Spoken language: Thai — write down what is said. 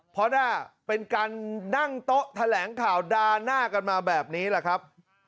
เพราะหน้าเป็นการนั่งโต๊ะแถลงข่าวดาหน้ากันมาแบบนี้แหละครับ